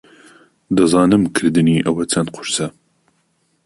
دەزانم کردنی ئەوە چەند قورسە.